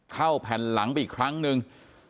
เข้าแผ่นหลังไปอีกครั้งหนึ่ง